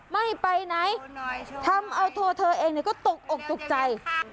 ไม่ไปในทำเอาโพล่เดอร์เองก็ตกออกตกใจ